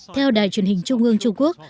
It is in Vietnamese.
theo đài truyền hình trung ương trung quốc